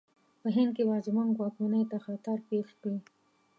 په هند کې به زموږ واکمنۍ ته خطر پېښ کړي.